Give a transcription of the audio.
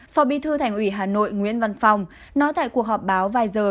phó bí thư thành ủy hà nội nguyễn văn phòng nói tại cuộc họp báo vài giờ